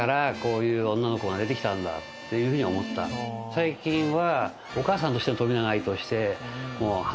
最近は。